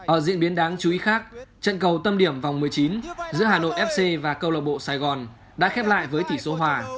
ở diễn biến đáng chú ý khác trận cầu tâm điểm vòng một mươi chín giữa hà nội fc và câu lạc bộ sài gòn đã khép lại với tỷ số hòa